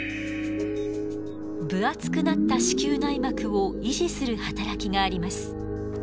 分厚くなった子宮内膜を維持する働きがあります。